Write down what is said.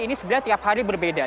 ini sebenarnya tiap hari berbeda